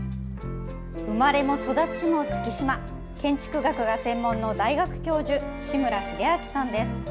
生まれも育ちも月島、建築学が専門の大学教授、志村秀明さんです。